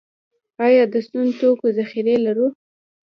آیا د سون توکو ذخیرې لرو؟